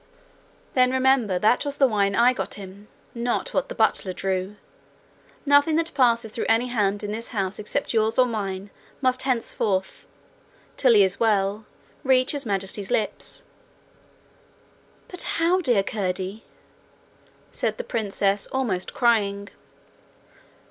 'Then remember that was the wine I got him not what the butler drew. Nothing that passes through any hand in the house except yours or mine must henceforth, till he is well, reach His Majesty's lips.' 'But how, dear Curdie?' said the princess, almost crying.